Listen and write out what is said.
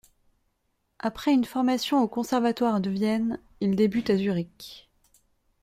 Après une formation au conservatoire de Vienne, il débute à Zurich.